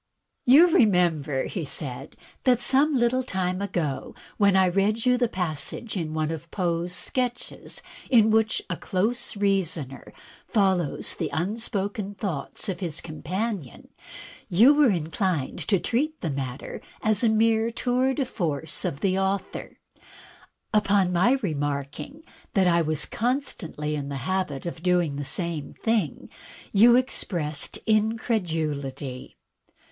"You remember," said he, "that some Uttle time ago, when I read you the passage in one of Poe's sketches, in which a close reasoner follows the unspoken thoughts of his companion, you were inclined to treat the matter as a mere tour de force of the author. On my remarking that I was constantly in the habit of doing the same thing you expressed incredulity."